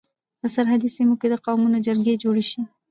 په سرحدي سيمو کي د قومونو جرګي جوړي سي.